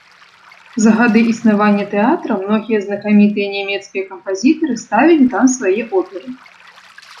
За гады існавання тэатра многія знакамітыя нямецкія кампазітары ставілі там свае оперы.